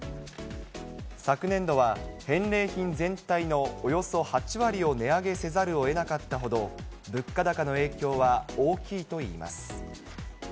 昨年度は、返礼品全体のおよそ８割を値上げせざるをえなかったほど、物価高の影響は大きいといいます。